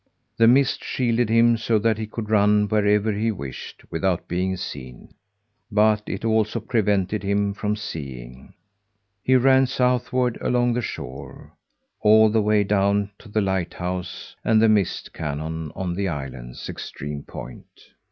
The mist shielded him, so that he could run wherever he wished without being seen, but it also prevented him from seeing. He ran southward along the shore all the way down to the lighthouse and the mist cannon on the island's extreme point.